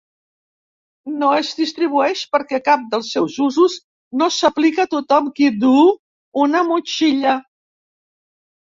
No es distribueix perquè cap dels seus usos no s'aplica a tothom qui duu una motxilla.